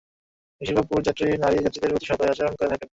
বেশির ভাগ পুরুষ যাত্রী নারী যাত্রীদের প্রতি সদয় আচরণই করে থাকেন।